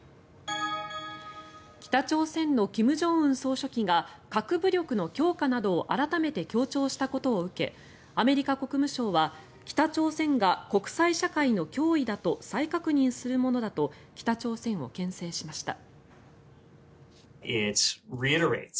北朝鮮の金正恩総書記が核武力の強化などを改めて強調したことを受けアメリカ国務省は北朝鮮が国際社会の脅威だと再確認するものだと北朝鮮をけん制しました。